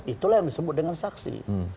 itulah yang disebut dengan saksi